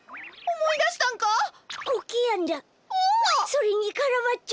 それにカラバッチョ！